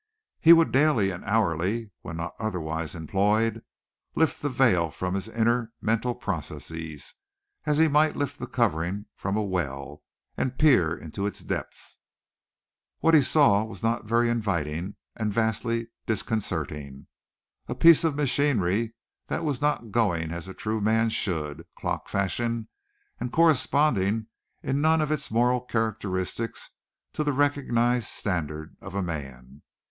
He would daily and hourly when not otherwise employed lift the veil from his inner mental processes as he might lift the covering from a well, and peer into its depths. What he saw was not very inviting and vastly disconcerting, a piece of machinery that was not going as a true man should, clock fashion, and corresponding in none of its moral characteristics to the recognized standard of a man.